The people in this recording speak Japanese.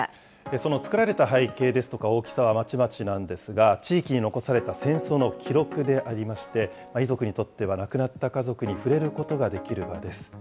その作られた背景ですとか大きさはまちまちなんですが、地域に残された戦争の記録でありまして、遺族にとっては亡くなった家族に触れることができる場です。